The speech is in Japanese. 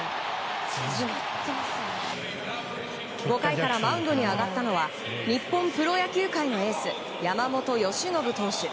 ５回からマウンドに上がったのは日本プロ野球界のエース山本由伸投手。